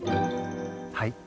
はい。